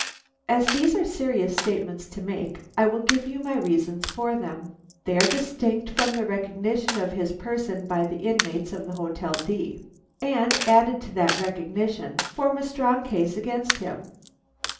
As these are serious statements to make, I will give you my reasons for them. They are distinct from the recognition of his person by the inmates of the Hotel D , and added to that recognition, form a strong case against him.